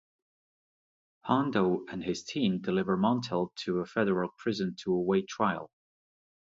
Hondo and his team deliver Montel to a federal prison to await trial.